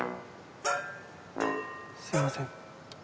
すみません。